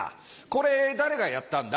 これ誰がやったんだ？